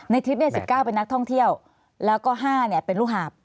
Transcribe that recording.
ทริป๑๙เป็นนักท่องเที่ยวแล้วก็๕เป็นลูกหาบ